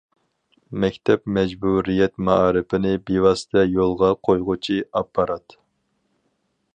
مەكتەپ مەجبۇرىيەت مائارىپىنى بىۋاسىتە يولغا قويغۇچى ئاپپارات.